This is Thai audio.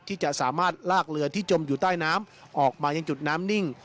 ที่จะสามารถลากเรือที่จมอยู่ใต้น้ำออกมายังจุดน้ำนิ่ง